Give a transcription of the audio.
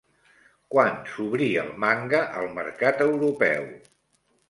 Quan s'obrí el manga al mercat europeu?